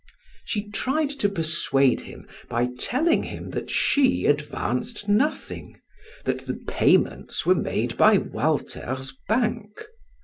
She tried to persuade him by telling him that she advanced nothing that the payments were made by Walter's bank.